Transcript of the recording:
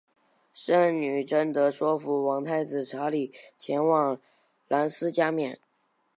圣女贞德说服王太子查理前往兰斯加冕。